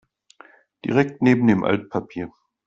Direkt neben dem Altpapier.